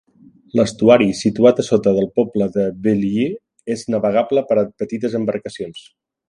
L'estuari situat a sota del poble de Beaulieu és navegable per a petites embarcacions.